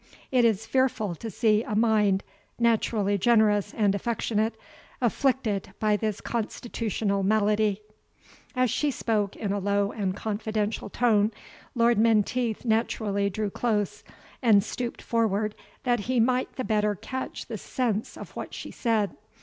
It is fearful to see a mind, naturally generous and affectionate, afflicted by this constitutional malady." As she spoke in a low and confidential tone, Lord Menteith naturally drew close, and stooped forward, that he might the better catch the sense of what she said.